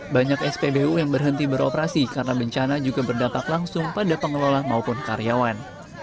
banyak spbu yang berhenti beroperasi karena bencana juga berdampak langsung pada pengelola maupun karyawan